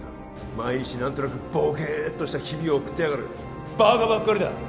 毎日何となくボケーッとした日々を送ってやがるバカばっかりだ！